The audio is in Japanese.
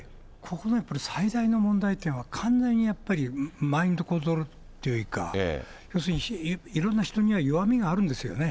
ここがやっぱり最大の問題というか、完全にマインドコントロールというか、要するに、いろんな人には弱みがあるんですよね。